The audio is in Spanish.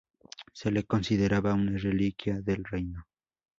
Se le consideraba una reliquia del Reino.